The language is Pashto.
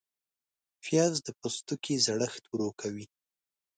پیاز د پوستکي زړښت ورو کوي